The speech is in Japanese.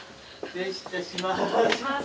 失礼します。